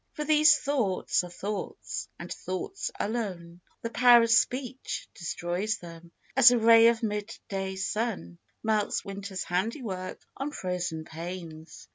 For these thoughts Are thoughts, and thoughts alone, — the pow'r of speech Destroys them, as a ray of mid day sun Melts Winter's handiwork on frozen panes.